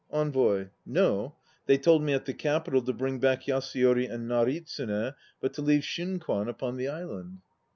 ENVOY. No; they told me at the Capital to bring back Yasuyori and Naritsune, but to leave Shunkwan upon the island.